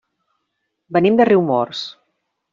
Venim de Riumors.